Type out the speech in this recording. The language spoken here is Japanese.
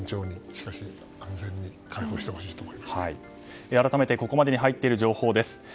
しかし、安全に解放してほしいと改めてここまでに入っている情報です。